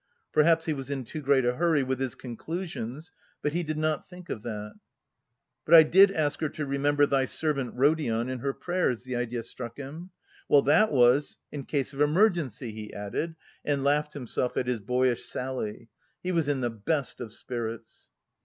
Perhaps he was in too great a hurry with his conclusions, but he did not think of that. "But I did ask her to remember 'Thy servant Rodion' in her prayers," the idea struck him. "Well, that was... in case of emergency," he added and laughed himself at his boyish sally. He was in the best of spirits.